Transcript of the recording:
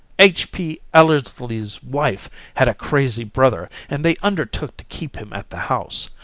H. P. Ellersly's wife had a crazy brother, and they undertook to keep him at the house.